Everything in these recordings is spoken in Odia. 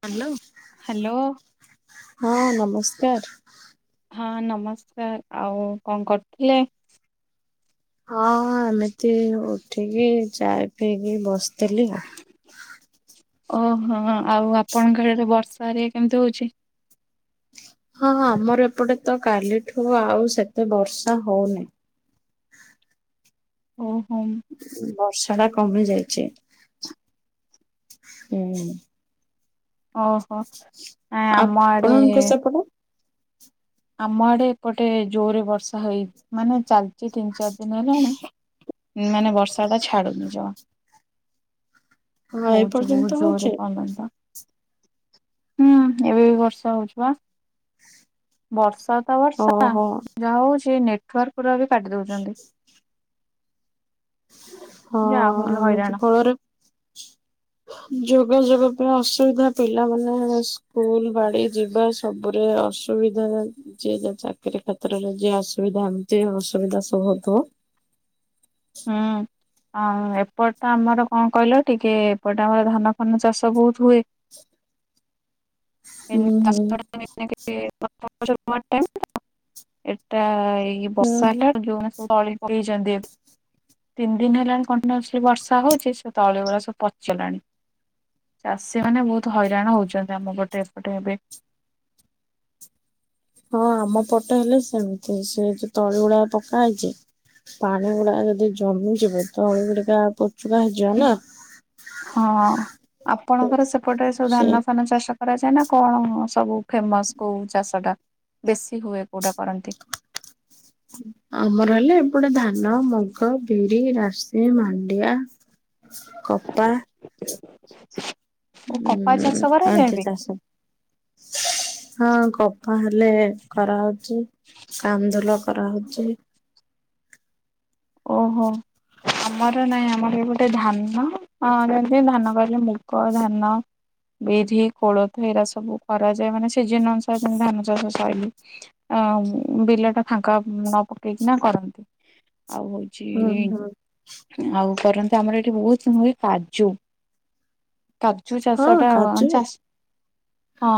ହ୍ୟାଲୋ ହ୍ୟାଲୋ ହଁ ନମସ୍କାର। ହଁ ନମସ୍କାର। ଆଉ କଣ କରୁଥିଲେ? ହଁ ଏମିତି ଉଠିକି ଚା ପିଇକି ବସିଥିଲି। ଓହୋ ଆଉ ଆପଣଙ୍କ ଇଆଡେ ବର୍ଷା ହେରିକା କେମିତି ହଉଚି। ହଁଁ ହଁ ଆମର ଏପଟେ ତ କାଲିଠୁ ଆଉ ସେତେ ବର୍ଷା ହଉନି। ଓହୋ। ବର୍ଷା ଟା କମି ଯାଇଚି। ହୁଁ। ଓହୋ। ନାଇଁ ଆମ ଆଡେ ଆପଣଙ୍କ ସେପଟେ? ଆମ ଆଡେ ଏପଟେ ଜୋରରେ ବର୍ଷା ହେଇ ମାନେ ଚାଲିଚି ତିନି ଚାରି ଦିନ ହେଲାଣି। ମାନେ ବର୍ଷା ଟା ଛାଡୁନି ଜମା। ହଁ ଏ ହଉଛୁ ପର୍ଯ୍ୟନ୍ତ ବହୁତ ହଉଛି ଜୋରେ [unintelligible] ହୁଁ ଏବେ ବି ବର୍ଷା ହଉଛି ପା। ବର୍ଷା ତ ବର୍ଷା ଓହୋ ଯାହା ହଉଛି ନେଟୱାର୍କ ପୁରା ବି କାଟି ଦଉଚନ୍ତି। ହଁ ଯେ ଆହୁରି ଆମେ ଯେ ହଇରାଣ। ଫଳରେ ଯୋଗାଯୋଗ ପାଇଁ ଅସୁବିଧା ପିଲାମାନେ ସ୍କୁଲ୍ ବାଡି ଯିବା ସୁ ସବୁରେ ଅସୁବିଧା ଚାଲିଚି। ଯିଏ ଯୋଉ ଚାକିରି କ୍ଷେତ୍ରରେ ଯେ ଅସୁବିଧା ସବୁ ହଉଥୁବ। ହଁ। ଆଉ ଏପଟେ ଆମର କଣ କହିଲ ଟିକେ ଏପଟେ ଆମର ଧାନ ଫାନ ଚାଷ ବହୁତ ହୁଏ। ହୁଁ [inaudible] ହୁଁ ଚାଷଟା [inaudible] ଏଟା ଏଇ ବର୍ଷା ହେଲା ଯୋଉ ହୁଁ ମାନେ ସବୁ ତଳି ପକେଇଚନ୍ତି। ତିନି ଦିନ ହେଲାଣି କଣ୍ଟିନ୍ୟୁସଲି ବର୍ଷା ହଉଛି ସେ ତଳି ଗୁରା ସବୁ ପଚିଲାଣି। ଚାଷୀ ମାନେ ବହୁତ ହଇରାଣ ହଉଛନ୍ତି ଆମ ପଟେ ଏପଟେ ଏବେ। ହଁ ଆମ ପଟେ ହେଲେ ସେମିତି ସେ ଯୋଉ ତଳି ଉଡା ପ ଆ [unintelligible] ପାଣି ଗୁଡା ଯଦି ଜମିଯିବ ତଳି ଗୁଡିକା ପଚୁକା ହେଇଯିବ ନା। ହଁ ଆପଣଙ୍କର ସେପଟେ ସବୁ ସେ ଧାନ ଫାନ ଚାଷ କରାଯାଏ ନା କଣ ସବୁ ଫେମସ୍ କୋଉ ଚାଷଟା ବେଶୀ ହୁଏ କୋଉଟା କରନ୍ତି? ଆମର ହେଲେ ଏପଟେ ଧାନ, ମୁଗ, ବିରି, ରାଶି, ମାଣ୍ଡିଆ। କପା [inaudible] କପା ଉଁ, ଚାଷ କରାଯାଏ ଆଣ୍ଠୁ ବି? ଚାଷ ହଁ କ ହଁ ହେଲେ କରାହଉଛି କାନ୍ଦୁଲ କରାହଉଛି। ଓହୋ! ଆମର ନାଇଁ ଆମର ଏପଟେ ଧାନ ଅମର ଏମିତି ଧାନ କହିଲେ ମୁଗ ଧାନ ବିରି, କୋଳଥ ଏଇରା ସବୁ କରାଯାଏ ମାନେ ସିଜନ ଅନୁସାରେ ଧାନ ଚାଷ ସଇଲେ। ଆ, ଉଁ, ବିଲ ଟା ଫାଙ୍କା ନ ପକେଇକିନା କରନ୍ତି। ଆଉ ହୁଁ ହୁଁ ହଉଛି ଆଉ କରନ୍ତି ଆମର ଏଠି ବହୁତ ହୁଏ କାଜୁ। କାଜୁ ଚାଷ ହଁ ଟା ଅନ କାଜୁ ଚାଷ ହଁ,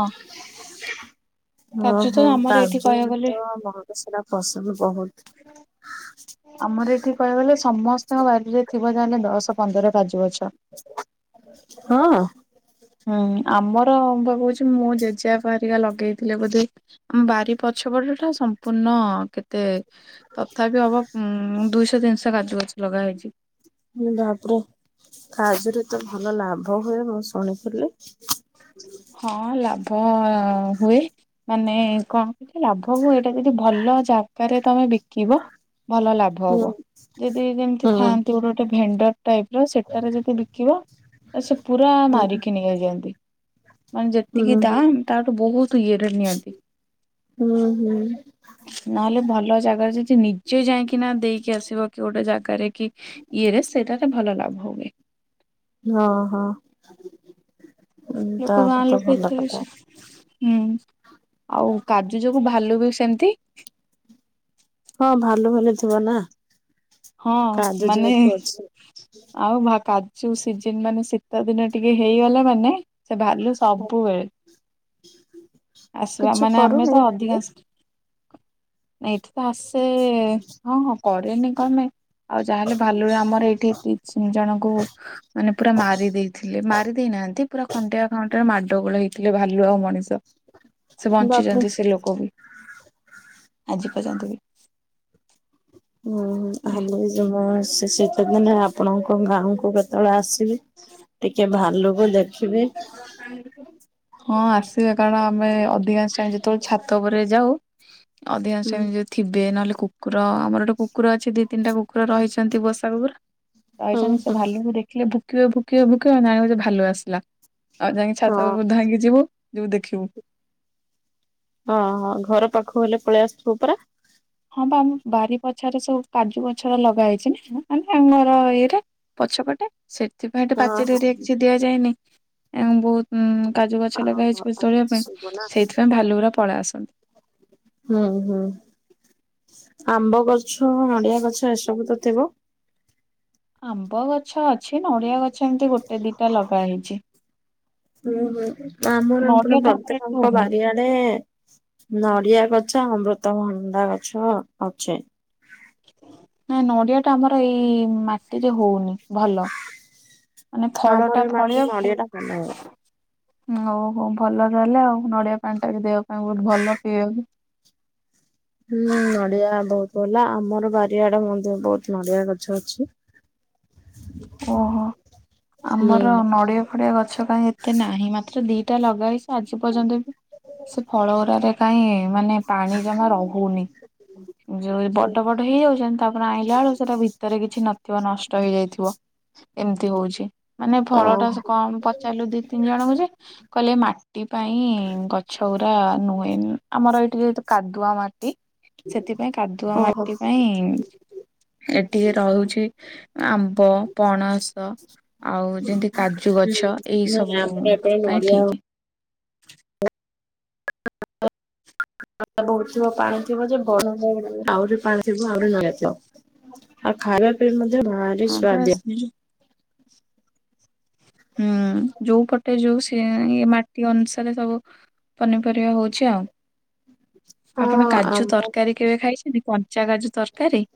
ଓ କାଜୁ ତ ହୋ ଆମର ଏଠି କାଜୁ କହିବାକୁ ଗଲେ ତ ମହଙ୍ଗା ସେଟା ପସନ୍ଦ ବହୁତ। ଆମର ଏଠି କହିବାକୁ ଗଲେ ସମସ୍ତଙ୍କ ବାରିରେ ଥିବ ଯାହେଲେ ଦଶ ପନ୍ଦର କାଜୁ ଗଛ। ହଁ। ହୁଁ, ଆମର ମୁଁ ପା କହୁଛି ମୋ ଜେଜେ ବାପା ହେରିକା ଲଗେଇଥିଲେ ବୋଧେ। ଆମ ବାରି ପଛ ପଟ ଟା ସମ୍ପୂର୍ଣ୍ଣ କେ ତେ ତଥାପି ହବ ଉଁ, ଦୁଇଶହ ତିନିଶହ କାଜୁ ଗଛ ଲଗା ହେଇଛି। ଲେ ବାପରେ କାଜୁ ରେ ତ ଭଲ ଲାଭ ହୁଏ ମୁଁ ଶୁଣିଥିଲି। ହଁ ଲାଭ ହୁଏ। ମାନେ କଣ କହିଥିଲେ ଲାଭ ହୁଏ ଏଟା ଯଦି ଭଲ ଜାଗାରେ ତୋମେ ବିକିବ ଭଲ ଲାଭ ହୁଁ ହବ। ଯଦି ଯେମିତି ହୁଁ ଥାଆନ୍ତି ଗୋଟେ ଗୋଟେ ଭେଣ୍ଡର୍ ଟାଇପ୍ ର ସେଟାରେ ଯଦି ବିକିବ ଏ ସେ ପୁରା ହୁଁ ମାରିକି ନେଇଯାଆନ୍ତି। ମାନେ ଯେତିକି ହୁଁ ଦାମ୍ ତାଠୁ ବହୁତ ଇଏରେ ନିଅନ୍ତି। ନହେଲେ ଭଲ ଜାଗାରେ ଯଦି ନିଜେ ଯାଇକି ନା ଦେଇକି ଆସିବ କି ଗୋଟେ ଜାଗାରେ କି ଇଏରେ ସେଟାରେ ଭଲ ଲାଭ ହୁଏ। ହଁ, ହଁ। ଲୋକ ଗାଁ ତାହେଲେ ତ ଲୋକେ ଭଲ ଏତେ କଥା ବେଶି ହୁଁ, ଆଉ କାଜୁ ଯୋଗୁ ଭାଲୁ ବି ସେମତି। ହଁ ଭାଲୁ ଭାଲୁ ଥିବ ନା। ହଁ କାଜୁ ମାନେ ଯେହେତୁ ଅଛି ଆଉ ଭା କାଜୁ ସିଜନ ମାନେ ଶୀତ ଦିନ ଟିକେ ହେଇଗଲା ମାନେ ସେ ଭାଲୁ ସବୁବେଳେ। ଆସିବା କିଛି ମାନେ ଆମେ କରୁନି ତ ଭାଲୁ। ଅଧିକାଂଶ ଏଇଠି ତ ଆସେ ହଁ ହଁ କରେନି। କଣ ପାଇଁ ଆଉ ଯାହାହେଲେ ଭାଲୁ ରେ ଆମର ଏଇଠି ତିନି ଜଣଙ୍କୁ ମାନେ ପୁରା ମାରି ଦେଇେଥିଲେ, ମାରି ଦେଇ ନାହାନ୍ତି ପୁରା ଖଣ୍ଟିଆ ଖାନ। ମାଡ଼ଗୋଳ ହେଇଥିଲେ ଭାଲୁ ଆଉ ମଣିଷ ସେ ବାପରେ ବଞ୍ଚିଛନ୍ତି ସେ ଲୋକ ବି। ଆଜି ପର୍ଯ୍ୟନ୍ତ ବି। ହୁଁ ହୁଁ ଆମେ ଯିବା ସେ ଶୀତ ଦିନେ ଆପଣଙ୍କ ଗାଁ କୁ କେତେବେଳେ ଆସ ବୁ ଟିକେ ଭାଲୁକୁ ଦେଖିବି। ହଁ ଆସିବେ କାରଣ ଆମେ ଅଧିକାଂଶ ଟାଇମ ଯେତେବେଳେ ଛାତ ଉପରେ ଯାଉ ହୁଁ ଅଧିକାଂଶ ଯଦି ଥିବେ ନହେଲେ କୁକୁର ଆମର ଗୋଟେ କୁକୁର ଅଛି ଦି ତିନିଟା କୁକୁର ରହିଛନ୍ତି ପୋଷା କୁକୁର। ହୁଁ ରହିଛନ୍ତି ସେ ହୁଁ ଭାୁଲୁ କୁ ଦେଖିଲେ ଭୁକିବେ ଭୁକିବେ ଭୁକିବେ ମାନେ ଇଆଡ଼େ ଯେ ଭାଲୁ ଆସିଲା। ଆଉ ଯାଇକି ହଁ ଛାତ ଉପରେ ଧାଇକି ଯିବୁ, ଯିବୁ ଦେଖିବୁ। ହଁ ହଁ ଘର ପାଖକୁ ହେଲେ ପଳେଇ ଆସବ ପରା। ହଁ ବା ଆମ ବାରି ପଛରେ ସବୁ କାଜୁ ଗଛ ଲଗା ହେଇଛି ନା ମାନେ ଆମର ଇଏଟା। ପଛପଟେ ସେଥିପାଇଁ ତ ହଁ ପାଚେରୀ ଏରିଆରେ କିଛି ଦିଆ ଯାଏନି ଏ ବହୁତ ହୁଁ କାଜୁ ଗଛ ହଁ ଲଗା ହେଇଛି ପଛ ହଁ ତୋଳିବା ପାଇଁ ସବୁ ନା ସେଇଥିପାଇଁ ଭାଲୁ ଗୁଡା ପଳେଇ ଆସନ୍ତି। ହୁଁ ହୁଁ ଆମ୍ବ ଗଛ, ନଡିଆ ଗଛ ଏସବୁ ତ ଥିବ। ଆମ୍ବ ଗଛ ଅଛି, ନଡିଆ ଗଛ ଏମିତି ଗୋଟେ ଦିଟା ଲଗା ହେଇଛି। ଆମର ନଡିଆ ପୁରା ଟା ଆମର ଏଠି ପ୍ରତ୍ୟେକଙ୍କ ହଉନି ବାରି, ରେ ନଡିଆ ଗଛ ଅମୃତଭଣ୍ଡା ଗଛ ଅଛି। ନା ନଡିଆ ଟା ଆମର ଏଇ ମାଟିରେ ହଉନି। ଭଲ। ମାନେ ଫଳ ଆମର ଏ ଟା ମାଟି ଫଳିବ ନଡିଆ ଟା ଭଲ ହୁଏ। ଅହ ଭଲ ଭଲ, ନଡିଆ ପାଣି ଟା ଦେହ ପାଇଁ ବହୁତ ଭଲ ପିଇବାକୁ। ହୁଁ ନଡିଆ ବହୁତ ଭଲ, ଆମର ବାରିଆଡ ମଧ୍ୟ ବହୁତ ନଡିଆ ଗଛ ଅଛି। ଓହୋ [inaudible] ଆମର ନଡ଼ିଆ ଫଡ଼ିଆ ଗଛ କାହିଁ ଏତେ ନାହିଁ, ମାତ୍ର ଦିଟା ଲଗା ହଇଛି। ଆଜି ପର୍ଯ୍ୟନ୍ତ ବି ସେ ଫଳ ଗୁରାରେ, କାହିଁ ମାନେ ପାଣି ଜମା ରହୁନି। ଯଉଁ ଏ ବଡ ବଡ ହେଇଯାଉଛନ୍ ତାପରେ ଆଣିଲା ବେଳେ ସେଟା ଭିତରେ କିଛି ନଥିବ ନଷ୍ଟ ହେଇଯାଇଥିବ। ଏମିତି ହଉଛି ମାନେ ଫଳଟା ଓହୋ ସେ କମ ପଚାରିଲୁ ଦି ତିନି ଜଣଙ୍କୁ ଯେ କହିଲେ ମାଟି ପାଇଁ ଗଛ ଗୁଡ଼ା ନ ଏନ ଆମର ଏଇଠି ତ ଯେହେତୁ କାଦୁଆ ମାଟି। ସେଥିପାଇଁ କାଦୁଆ ଓହୋ ମାଟି ପାଇଁ। ଏଠିକି ରହୁଛି ଆମ୍ବ ପଣସ। ଆଉ ଯେମିତି କାଜୁ ହୁଁ ଗଛ ଏଇ ନାଇଁ ସବୁ ଆମର ଏପଟେ ପାଇଁ ନଡିଆ ଠିକ୍। ନୁର୍ଜୀଵ ପାଣି ଥିବ ଯେ ବଢୁନି ବଲିକି - ଆହୁରି ପାଣି ଥିବ ଆହୁରି ନେଇ ଆସ। ଆଉ ଖାଲିଳେ ପିଇବା ଯେ ଭାରି ହଁ ବାସ୍ ସ୍ଵାଦ। ହୁଁ ହୁଁ, ଯୋଉ ପଟେ ଯୋଉ ସେ ଇୟା ଏ ମାଟି ଅନୁସାରେ ସବୁ ପନିପରିବା ହଉଛି ଆଉ। ଆପଣ ହଁ କାଜୁ ଆମ ତରକାରୀ କେବେ ଖାଇଛନ୍ତି କଞ୍ଚା କାଜୁ ତରକାରୀ?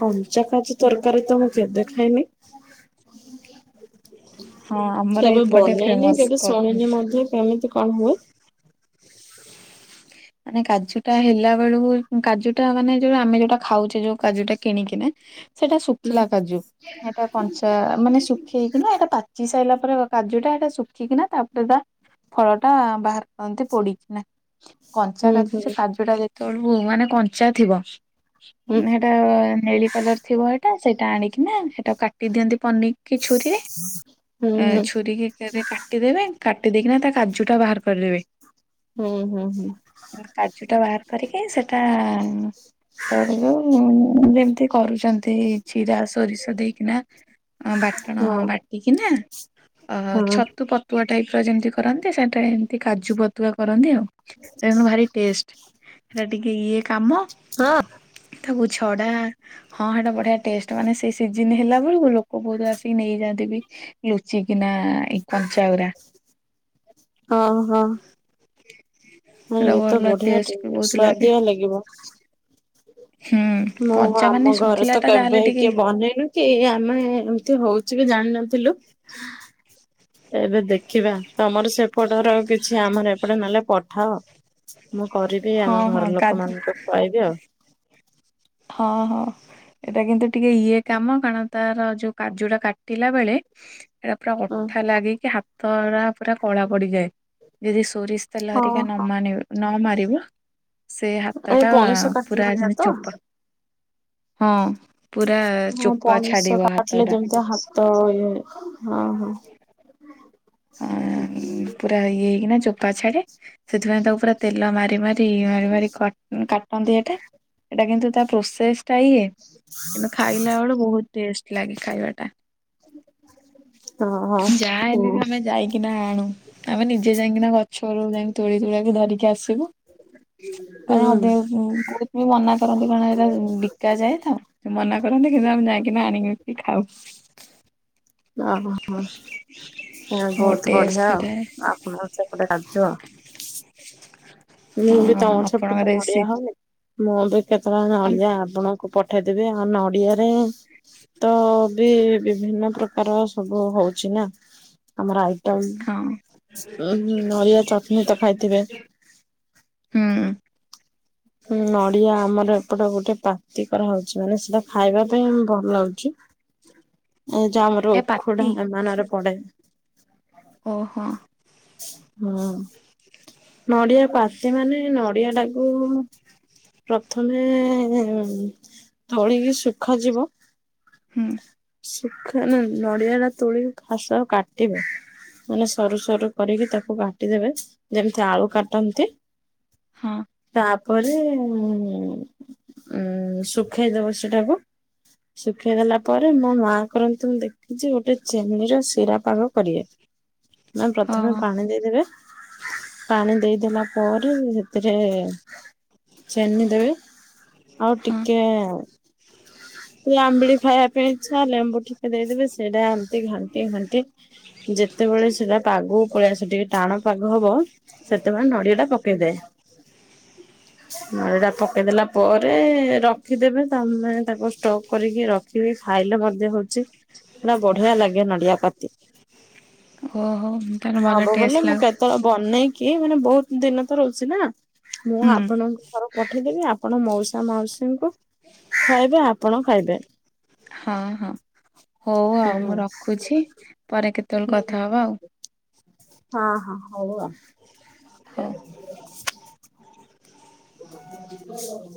କଞ୍ଚା କାଜୁ ତରକାରୀ ତ ମୁଁ କେବେ ଖାଇନି। [unintelligible] ହଁ ଆମର କେବେ ଏପଟେ ବନେଇନି କେବେ ଫେମସ୍ ଶୁଣିନି ମଧ୍ୟ କେମିତି କଣ ହୁଏ। [inaudible] ମାନେ କାଜୁ ଟା ହେଲା ବେଳକୁ କାଜୁ ଟା ମାନେ ଯୋଉ ଆମେ ଯୋଉଟା ଖାଉଛେ ଯୋଉ କାଜୁଟା କିଣିକିନା। ସେଇଟା ଶୁଖିଲା କାଜୁ, ଏଟା କଞ୍ଚା ମାନେ ଶୁଖି ହେଇକିନା ଏଇଟା ପାଚି ସାରିଲା ପରେ କାଜୁଟା ଏଇଟା ଶୁଖିକିନା ତାପରେ ତା ଫଳଟା ବାହାର ଏମତି ପଡିକିନା, କଞ୍ଚା ହୁଁ ହୁଁ କାଜୁ ସେ କାଜୁଟା ଯେତେବେଳକୁ ମାନେ କଞ୍ଚା ଥିବ। ହୁଁ ହେଟା ନେଳି କଲର ଥିବ ହେଟା ସେଇଟା ଆଣିକିନା ସେଟା କାଟି ଦିଅନ୍ତି ପନି କି ଛୁରୀରେ ହୁଁ ହୁଁ ଛୁରୀ କି କେ କା କାଟିଦେବେ କାଟିଦେଇକିନା ତା କାଜୁ ଟା ବାହାର କରିଦେବେ। ହୁଁ ହୁଁ ହୁଁ। କାଜୁ ଟା ବାହାର କରିକି ସେଟା [inaudible] ଯେମତି କରୁଛନ୍ତି ଜିରା ସୋରିଷ ଦେଇକିନା। ହଁ ବାଟଣ ହୁଁ। ବାଟ ଏଇକିନା ହଁ। ଛତୁ ପତୁଆ ଟାଇପ ଯେମତି କରନ୍ତି ସେଟା ଏମିତି କା ଛୁ ପତୁଆ କରନ୍ତି ଆଉ ତେଣୁ ଭାରି ଟେଷ୍ଟ ହେରା ଟିକେ ଇଏ କାମ ହଁ। ତାକୁ ଛଡା ହଁ ହେଇଟା ବଢିଆ ଟେଷ୍ଟ। ମାନେ ସେଇ ସିଜିନ ହେଲା ବେଳକୁ ଲୋକ ବହୁତ ଆସିକି ନେଇଯାଆନ୍ତି ବି। ଲୁଚିକିନା ଏଇ କଞ୍ଚାଗୁରା ହଁ ହଁ। ହଁ ସେଟା ଏ ତ ଭଲ ବଢିଆ ଟେଷ୍ଟ ବି ବହୁତ ଲାଗେ। ସ୍ଵାଆଦିଆ ଲାଗିବ। ହୁଁ ମୁଁ କଞ୍ଚା ମାନେ ଆମ ଘରେ ଶୁଖିଲା ତ ଟା ଯାହାହେଲେ କେବେ ହେ ଟିକେ କିଏ ବନେଇନି କି ଆମେ ଏମିତି ହଉଛି ବି ଜାଣିନଥିଲୁ। ହ ଏବେ ଦେଖିବା ତମର ସେପଟର କିଛି ଆମର ଏପଟେ ନହେଲେ ପଠାଅ। ମୁଁ କରିବି ହଁ ଆମ ହଁ ଘର କାଜୁ ଲୋକମାନଙ୍କୁ ଖୁଆଇବି ଆଉ। ହଁ ହଁ। ଏଇଟା କିନ୍ତୁ ଟିକେ ଇଏ କାମ କାରଣ ତାର ଯୋଉ କାଜୁ ଟା କାଟିଲା ବେଳେ ହେରା ପୁରା ହଁ। ଅଠା ଲାଗିକି ହାତ ଉରା ପୁରା କଳା ପଡିଯାଏ। ଯଦି ସୋରିଶି ତେଲ ହେରିକା ନ ଓହୋ ମାନିବ ନ ମରିବ। ସେ ଏ ହାତଟା ପଣସ କାଠିଲା ପୁରା ଭଳିଆ ଯେମିତି ତ? ଚୋପା ହଁ ପୁରା ଚୋପା ଛାଡ଼ିବ ହାତଟା। ତ ହାତ ଇଏ ହଁ ହଁ। ଅ ପୁରା ଇଏ ହେଇକିନା ଚୋପା ଛାଡେ ସେଥିପାଇଁ ତାକୁ ପୁରା ତେଲ ମାରି ମାରି ତି ମାରି ମାରି କା କାଟନ୍ତି ହେଟା ହେଟା କିନ୍ତୁ ତା ପ୍ରୋସେସ୍ ତା ଇଏ କିନ୍ତୁ ଖାଇଲା ବେଳ ବହୁତୁ ଟେଷ୍ଟ ଲାଗେ ଖାଇବା ଟା। ହଁ ହଁ। ଯାହା ହେଲେ ଆମେ ଯାଇକି ନା ଆଣୁ ଆମେ ନିଜେ ଯାଇକିନା ଗଛ ରୁ ଯାଇି ତୋଳି ତୋଳିଆକୁ ଧରିକି ଆସିବୁ। କାରଣ ହୁଁ ଅଧେ ବହୁତ ବି ମନା କରନ୍ତି କାରଣ ଏରା ବିକା ଯାଏ ତ। ମନା କରନ୍ତି କିନ୍ତୁ ଆମେ ଯାଇକି ନା ଆଣିକି ଖାଉ। ଓହୋ ହ ବହୁତ ବହୁତୁ ଟେଷ୍ଟ ବଢିଆ ଥାଏ ଆପଣ ସେପଟେ ରାଜୁ ଆଉ। [inaudible] ମୁଁ ବି ହଁ ତମର ଆପଣଙ୍କ ସେପଟୁ ରେସି ନଡିଆ ହଉନି ମୁଁ ବି କେତେବେଳେ ନଡିଆ ଆପଣ ପଠେଇଦେବି ଆଉ ନଡିଆରେ ତ ବି ବିଭିନ୍ନ ପ୍ରକାର ସବୁ ହଉଛି ନା। ଆମର ହଁ ଆଇଟମ ନଡ଼ିଆ ଚଟଣିୀ ତ ଖାଇଥିବେ? ହୁଁ ନଡ଼ିଆ ଆମର ଏପଟେ ଗୋଟେ ପାତି କରା ହଉଛି ମାନେ ସେଟା ଖାଇବା ପାଇଁ ଭଲ ଲାଗୁଛି। ହଁ ଏ ଯୋଉ ଆମର ଉଖୁଡା ଏମାନରେ ପଡେ। ଓହୋ। ହଁ ନଡିଆ ପାତି ମାନେ ନଡିଆ ଟାକୁ ପ୍ରଥମେ ତୋଳିକି ଶୁଖାଯିବ। ହୁଁ। ସୁଖା ନା ନଡ଼ିଆ ଟା ତୋଳିକି ଫାର୍ଷ୍ଟେ କାଟିବ। ମାନେ ସରୁ ସରୁ କରିକି ତାକୁ କାଟିଦେବେ ଯେମିତି ଆଳୁ କାଟନ୍ତି। ହଁ। ତା ପରେ ଉ ଶୁଖେଇଦବ ସେଟାକୁ ଶୁଖେଇ ଦେଲା ପରେ ମୋ ମାଆ କରନ୍ତୁ ମୁଁ ଦେଖିଛି ଗୋଟେ ଚେନି ର ଶିରା ପାଗ କରିବେ। ଆଉ ପ୍ରଥମେ ହଁ ପାଣି ଦେଇଦେବେ। ପାଣି ଦେଇଦେଲା ପରେ ସେଥିରେ ଚେନି ଦେବି ଆଉ ହଁ ଟିକେ ଆମ୍ବିଡି ଖାଇବା ପାଇଁ ଇଚ୍ଛା ଲେମ୍ବୁ ଟିକେ ଦେଇଦେବେ ସେଇଟା ଏମତି ଘଣ୍ଟି ଘଣ୍ଟି ଯେତେବେଳେ ସେଟା ପାଗ ପଳିଆ ସେ ଟିକେ ଟାଣ ପାଗ ହବ ସେତେବେଳେ ନଡିଆ ଟା ପକେଇଦେବେ। ନଈ ଟା ପକେଇଦେଲା ପରେ ରଖିଦେବେ ତମେ ତାକୁ ଷ୍ଟ କରିକି ରଖିବି ଖାଇଲେ ମଧ୍ୟ ହଉଛି ହେଟା ବଢିଆ ଲାଗେ ନା। ଓହୋ ତାହେଲେ ଭଲ ହବ ଟେଷ୍ଟ ବ ମୁଁ ଲାଗୁ କେତେବେଳେ? ବନେଇକି ମାନେ ବହୁତ ଦିନ ତ ରହୁଛି ନା ମୁଁ ହୁଁ ଆପଣଙ୍କୁ ଘର ପଠେଇଦେବି ଆପଣ ମାଉସା ମାଉସୀଙ୍କୁ ଖାଇବେ ଆପଣ ଖାଇବେ। ହଁ ହଁ ହଉ ଆଉ ହୁଁ। ମୁଁ ରଖୁଛି ପରେ କେତେବେଳେ କଥା ହବା ଆଉ। ହଁ ହଁ ହଉ। ହଉ। [inaudible]